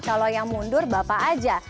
kalau yang mundur bapak aja